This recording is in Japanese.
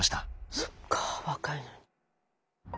そっかぁ若いのに。